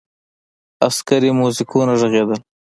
عسکري موزیکونه ږغېدل.